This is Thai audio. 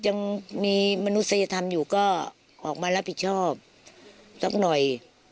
ยังมีมนุษยธรรมอยู่ก็ออกมารับผิดชอบสักหน่อย